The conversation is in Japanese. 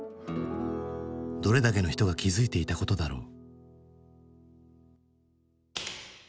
どれだけの人が気付いていたことだろう。